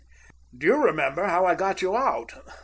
"Do you remember how I got you out?"